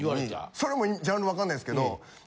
それもジャンルわかんないですけど。